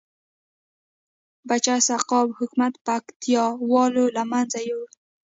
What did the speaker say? بچه سقاو حکومت پکتيا والو لمنځه یوړ